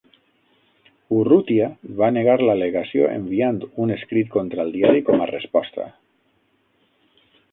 Urrutia va negar l'al·legació enviant un escrit contra el diari com a resposta.